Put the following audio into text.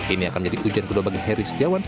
ini akan jadi ujian kedua bagi harry setiawan